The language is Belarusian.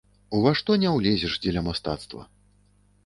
Ува што не ўлезеш дзеля мастацтва!